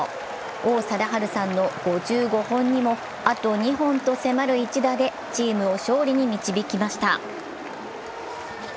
王貞治さんの５５本にもあと２本と迫る一打でチームを勝利に導きました。